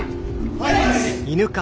はい！